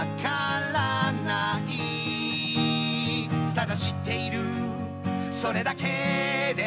「ただ知っているそれだけで」